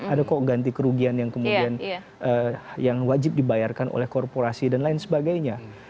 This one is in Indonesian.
ada kok ganti kerugian yang kemudian yang wajib dibayarkan oleh korporasi dan lain sebagainya